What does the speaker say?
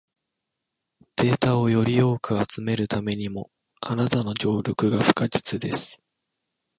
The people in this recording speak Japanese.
データをより多く集めるためにも、あなたの協力が不可欠です。